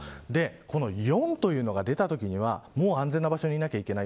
この４というのが出たときにはもう安全な場所にいなきゃいけない。